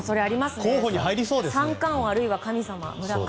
三冠王あるいは村神様が。